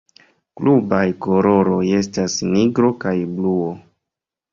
Klubaj koloroj estas nigro kaj bluo.